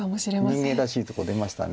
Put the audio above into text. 人間らしいとこ出ました。